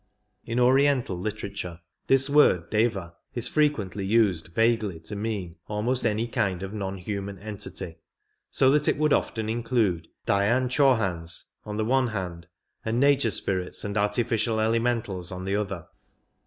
In oriental literature this word Deva " is frequently used vaguely to mean almost any kind of non human entity, so that it would often include Dhy.^n Chohans on the one hand and nature spirits and artificial elementals on the other.